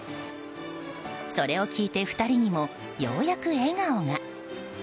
それを聞いて２人にも、ようやく笑顔が。